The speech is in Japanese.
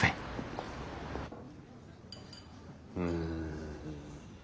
うん。